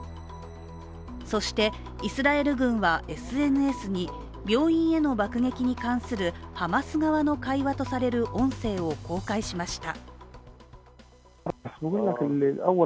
そして、イスラエル軍はＳＮＳに病院への爆撃に関するハマス側の会話とされる音声を公開しました。